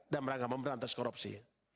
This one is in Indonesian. dan merangkap pemerintah anti korupsi